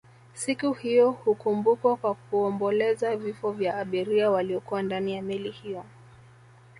Siku hiyo hukumbukwa kwa kuomboleza vifo vya abiria waliokuwa ndani ya meli hiyo